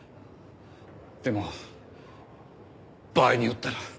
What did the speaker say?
でも場合によったら。